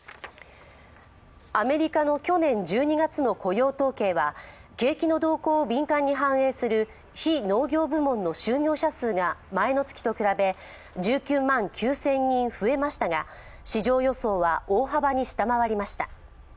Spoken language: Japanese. アメリカの去年１２月の雇用統計は景気の動向を敏感に反映する非農業部門の就業者数が前の月と比べ１９万９０００人増えましたが市場予想は大幅に下回りました。